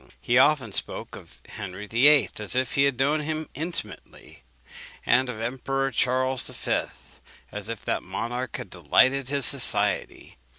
He often spoke of Henry VIII. as if he had known him intimately, and of the Emperor Charles V. as if that monarch had delighted in his society.